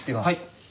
はい。